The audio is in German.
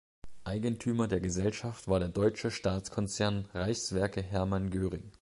Eigentümer der Gesellschaft war der deutsche Staatskonzern Reichswerke Hermann Göring.